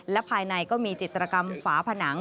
และภายในก็มีจิตรกรรมฝาผนัง